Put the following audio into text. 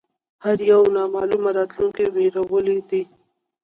هر یو نامعلومه راتلونکې وېرولی دی